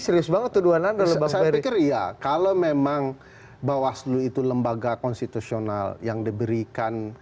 serius banget tuduhan anda kalau memang bawah seluruh itu lembaga konstitusional yang diberikan